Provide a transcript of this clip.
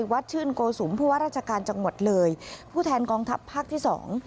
เพราะว่าราชการจังหวัดเลยผู้แทนกองทัพภาคที่สอง